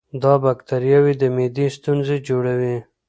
دا بکتریاوې د معدې ستونزې جوړوي.